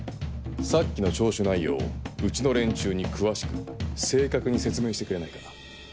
さっきの聴取内容をうちの連中に詳しく正確に説明してくれないか。